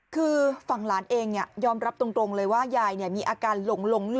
คือฝั่งหลานเองยอมรับตรงเลยว่ายายมีอาการหลง